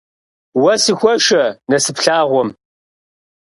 Уэ сыхуэшэ насып лъагъуэм.